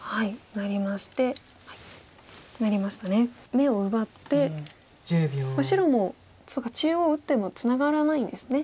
眼を奪って白もそうか中央を打ってもツナがらないんですね。